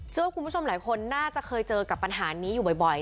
เชื่อว่าคุณผู้ชมหลายคนน่าจะเคยเจอกับปัญหานี้อยู่บ่อย